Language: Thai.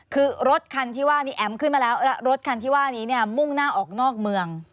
คือรถคันที่ว่านี่แอ๋มขึ้นมาแล้วแล้วรถคันที่ว่านี้เนี่ยมุ่งหน้าออกนอกเมือง